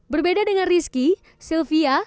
berbeda dengan rizky sylvia